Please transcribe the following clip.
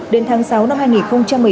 đến tháng sáu năm hai nghìn một mươi tám